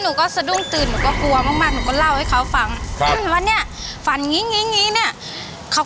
มีผู้ชายบอกรอมานานแล้ว